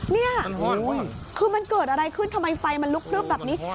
นี่คือมันเกิดอะไรขึ้นทำไมไฟมันลุกพลึบแบบนี้